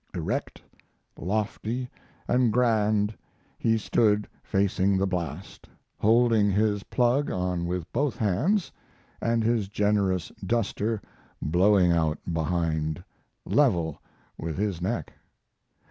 Erect, lofty, and grand he stood facing the blast, holding his plug on with both hands and his generous duster blowing out behind, level with his neck.